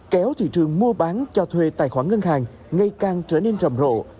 kéo thị trường mua bán cho thuê tài khoản ngân hàng ngày càng trở nên rầm rộ